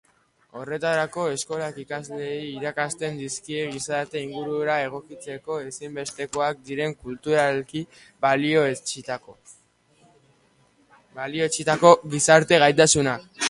Horretarako, eskolak ikasleei irakasten dizkie gizarte-ingurura egokitzeko ezinbestekoak diren kulturalki balioetsitako gizarte-gaitasunak.